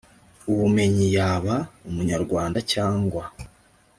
ubumenyi yaba umunyarwanda cyangwa